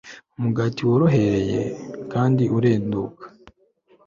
umugati worohereye kandi urenduka